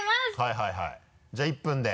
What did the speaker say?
はいはいじゃあ１分で。